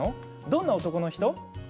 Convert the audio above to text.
どんな男の人？